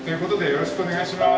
よろしくお願いします。